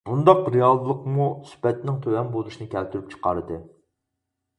بۇنداق رېئاللىقمۇ سۈپەتنىڭ تۆۋەن بولۇشىنى كەلتۈرۈپ چىقاردى.